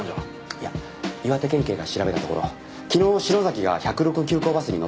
いや岩手県警が調べたところ昨日篠崎が１０６急行バスに乗った形跡はないし